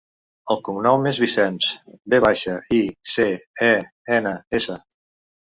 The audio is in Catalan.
El cognom és Vicens: ve baixa, i, ce, e, ena, essa.